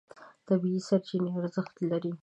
طبیعي سرچینه ارزښت لري.